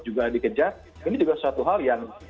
juga dikejar ini juga suatu hal yang